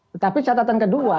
tetapi catatan kedua